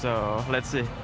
jadi mari kita lihat